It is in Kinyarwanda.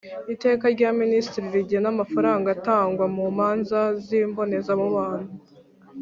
Iteka rya minisitiri rigena amafaranga atangwa mu manza z imbonezamubano